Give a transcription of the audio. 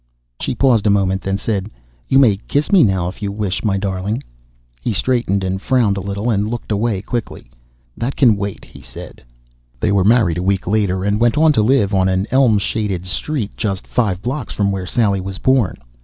She paused a moment, then said, "You may kiss me now if you wish, my darling." He straightened and frowned a little, and looked away quickly. "That can wait," he said. They were married a week later and went to live on an elm shaded street just five blocks from where Sally was born.